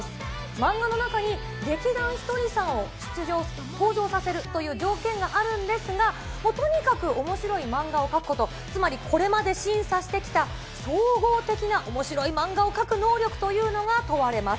漫画の中に劇団ひとりさんを登場させるという条件があるんですが、もうとにかくおもしろい漫画を描くこと、つまり、これまで審査してきた総合的なおもしろい漫画を描く能力というのが問われます。